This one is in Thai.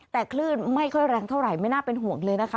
แต่คลื่นไม่ค่อยแรงเท่าไหร่ไม่น่าเป็นห่วงเลยนะคะ